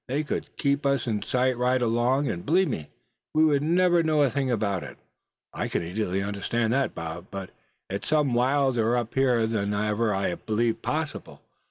They could keep us in sight right along, and believe me, we would never know a thing about it." "I can easily understand that, Bob. But it's some wilder up here than ever I believed possible.